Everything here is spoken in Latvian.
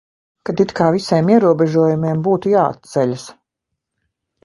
Kad it kā visiem ierobežojumiem būtu jāatceļas.